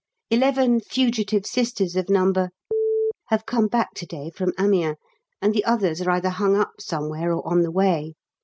Eleven fugitive Sisters of No. have come back to day from Amiens, and the others are either hung up somewhere or on the way.